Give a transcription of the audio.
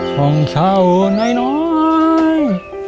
ห้องเช่าน้อย